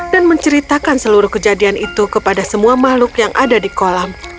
dan menceritakan seluruh kejadian itu kepada semua makhluk yang ada di kolam